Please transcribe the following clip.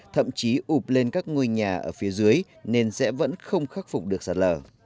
thậm chí ụp lên các ngôi nhà ở phía dưới nên sẽ vẫn không khắc phục được sạt lở